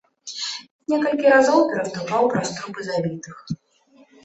Некалькі разоў пераступаў праз трупы забітых.